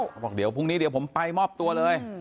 เขาบอกเดี๋ยวพรุ่งนี้เดี๋ยวผมไปมอบตัวเลย